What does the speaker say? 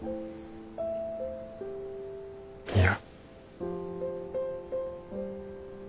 いや。